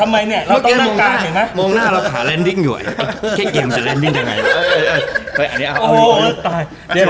ทำไมเนี่ยมองหน้าเราขาเล่นริ้งอยู่ไอ้เขียงจะเล่นริ้งได้ไง